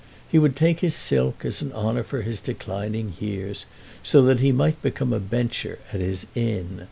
He would take his silk as an honour for his declining years, so that he might become a bencher at his Inn.